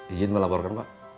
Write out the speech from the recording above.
ijin melaporkan pak